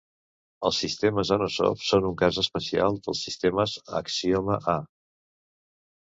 Els sistemes Anosov són un cas especial dels sistemes Axioma A.